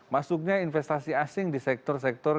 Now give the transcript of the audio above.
masuknya investasi asing di sektor sektor